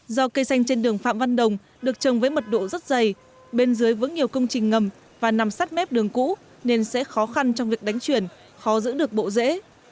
do cây xanh trên đường phạm văn đồng được trồng với mật độ rất dày bên dưới vững nhiều công trình ngầm và nằm sát mép đường cũ nên sẽ khó khăn trong việc đánh chuyển khó giữ được bộ dễ